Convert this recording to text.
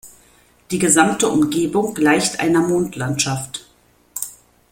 Die gesamte Umgebung gleicht einer Mondlandschaft.